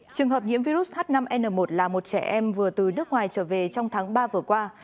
trường hợp nhiễm virus h năm n một là một trẻ em vừa từ nước ngoài trở về trong tháng ba vừa qua